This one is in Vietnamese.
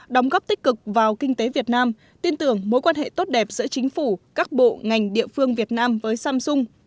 đóng góp tích cực vào kinh tế việt nam tin tưởng mối quan hệ tốt đẹp giữa chính phủ các bộ ngành địa phương việt nam với samsung